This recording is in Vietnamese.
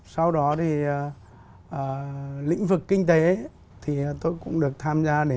sau đó thì lĩnh vực kinh tế thì tôi cũng được tham gia